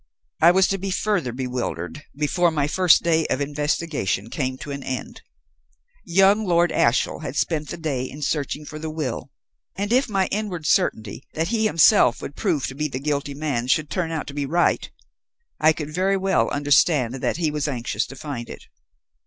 "I was to be further bewildered before my first day of investigation came to an end. Young Lord Ashiel had spent the day in searching for the will; and, if my inward certainty that he himself would prove to be the guilty man should turn out to be right, I could very well understand that he was anxious to find it.